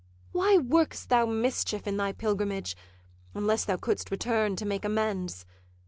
'Why work'st thou mischief in thy pilgrimage, Unless thou couldst return to make amends?